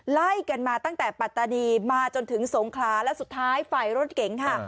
ไล่กันมาตั้งแต่ปัตตานีมาจนถึงสงขลาและสุดท้ายฝ่ายรถเก๋งค่ะ